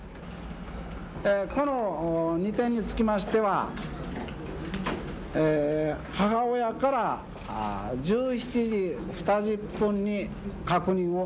この２点につきましては母親から１７時２０分に確認をいたしました。